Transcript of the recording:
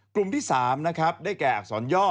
กลุ่มที่๓นะครับได้แก่อักษรย่อ